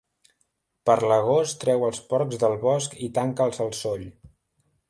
Per l'agost treu els porcs del bosc i tanca'ls al soll.